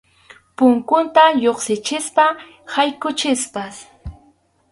Punkunta lluqsinchikpas yaykunchikpas.